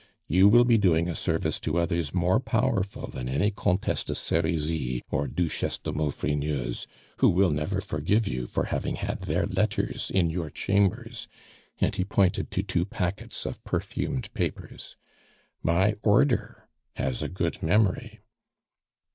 "You will be doing a service to others more powerful than any Comtesse de Serizy or Duchesse de Maufrigneuse, who will never forgive you for having had their letters in your chambers " and he pointed to two packets of perfumed papers. "My Order has a good memory."